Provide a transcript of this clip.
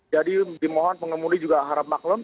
jadi dimohon pengemudi juga harap maklum